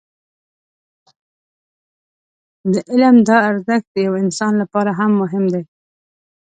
د علم دا ارزښت د يوه انسان لپاره هم مهم دی.